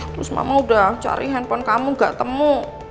terus mama udah cari handphone kamu gak temu